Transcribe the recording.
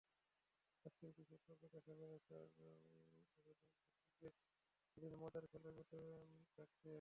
আজকের বিশেষ পর্বে দেখা যাবে চার অভিনয়শিল্পীকে বিভিন্ন মজার খেলায় মেতে থাকতে।